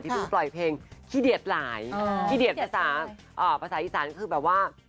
ที่เป็นปล่อยเพลงคิเดียดหลายคิเดียดภาษาอีสานคือแบบว่า